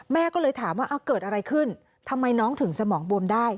ก็เลยถามว่าเกิดอะไรขึ้นทำไมน้องถึงสมองบวมได้